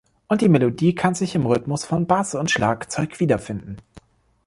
Und die Melodie kann sich im Rhythmus von Bass und Schlagzeug wiederfinden.